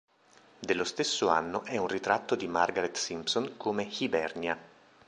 Dello stesso anno è un ritratto di Margaret Simpson come "Hibernia".